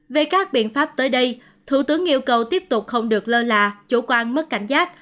về các biện pháp tới đây thủ tướng yêu cầu tiếp tục không được lơ là chủ quan mất cảnh giác